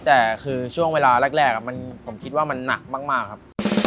แต่คือช่วงเวลาแรกผมคิดว่ามันหนักมากครับ